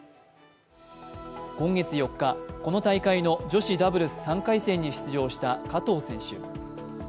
今月４日、この大会の女子ダブルス３回戦に出場した加藤選手。